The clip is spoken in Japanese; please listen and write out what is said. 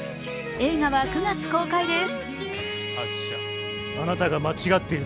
映画は９月公開です。